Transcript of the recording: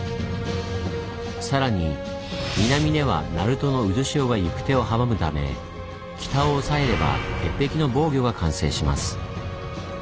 さらに南では鳴門の渦潮が行く手を阻むため北をおさえれば鉄壁の防御が完成します。